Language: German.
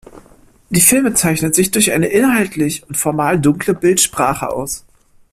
Die Filme zeichnen sich durch eine inhaltlich und formal dunkle Bildsprache aus.